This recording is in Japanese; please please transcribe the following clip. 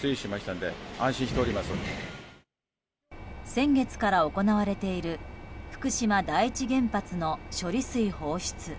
先月から行われている福島第一原発の処理水放出。